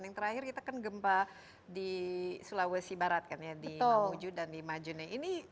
yang terakhir kita kan gempa di sulawesi barat kan ya di mamuju dan di majene